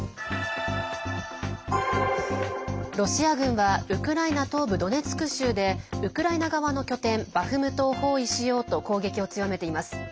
ロシア軍はウクライナ東部ドネツク州でウクライナ側の拠点バフムトを包囲しようと攻撃を強めています。